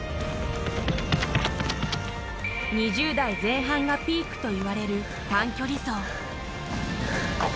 ２０代前半がピークといわれる短距離走。